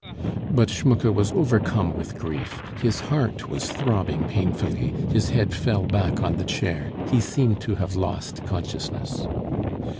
But Schmucke was overcome with grief, his heart was throbbing painfully, his head fell back on the chair, he seemed to have lost consciousness.